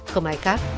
không ai khác